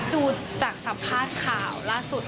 ดูจากสัมภาษณ์ข่าวล่าสุด